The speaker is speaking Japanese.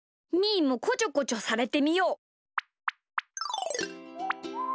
ーもこちょこちょされてみよう。